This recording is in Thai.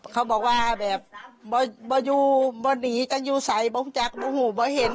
เขาบอกว่าแบบไม่อยู่ไม่หนีไม่อยู่ใสไม่มองจักรไม่เห็น